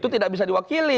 itu tidak bisa diwakili